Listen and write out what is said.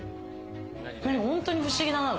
本当に不思議だな。